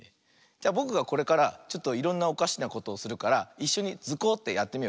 じゃぼくがこれからちょっといろんなおかしなことをするからいっしょに「ズコ！」ってやってみようか。